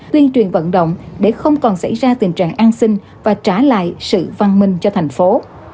tuyên truyền vận động để không còn xảy ra tình trạng an sinh và trả lại sự văn minh cho thành phố